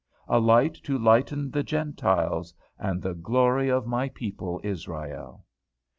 "A light to lighten the Gentiles, and the glory of my people Israel!"